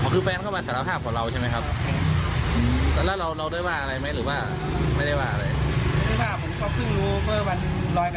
คือแฟนเข้ามาสารภาพกับเราใช่ไหมครับ